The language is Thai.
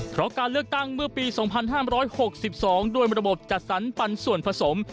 เพราะการเลือกตั้งเมื่อปี๒๕๖๒ด้วยระบบจัดสรรปันส่วนผสม